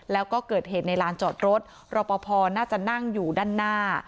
แล้วก็เกิดเหตุในลานจอดรถรอปภน่าจะนั่งอยู่ด้านหน้า